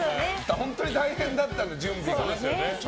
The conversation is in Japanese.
本当に大変だったので、準備が。